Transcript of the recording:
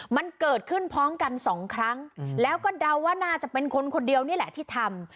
มันเกิดขึ้นพร้อมกันสองครั้งแล้วก็เดาว่าน่าจะเป็นคนคนเดียวนี่แหละที่ทำ